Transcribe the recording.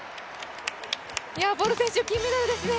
ボル選手、金メダルですね。